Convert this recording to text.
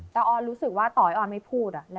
แต่ออนรู้สึกว่าต่อให้ออนไม่พูด